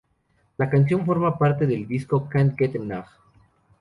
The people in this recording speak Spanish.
La canción forma parte del disco "Can't Get Enough".